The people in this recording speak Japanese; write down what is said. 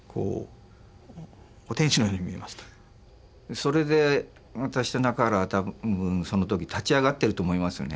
それで私と中原は多分その時立ち上がってると思いますよね。